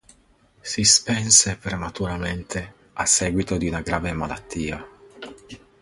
Si spense prematuramente a seguito di una grave malattia.